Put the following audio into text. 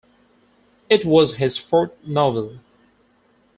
It was his fourth novel.